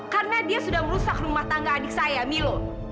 karena dia sudah merusak rumah tangga adik saya milo